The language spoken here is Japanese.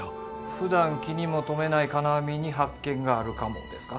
ふだん気にも留めない金網に発見があるかもですか？